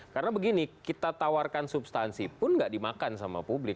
karena begini kita tawarkan substansi pun nggak dimakan sama publik